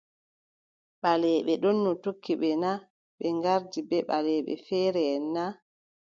Ɓaleeɓe ɗono tokki ɓe na, ɓe ngardi ɓe ɓaleeɓe feereʼen na ?